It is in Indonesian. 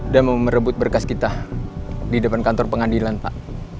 dan mau merebut berkas kita di depan kantor pengadilan pak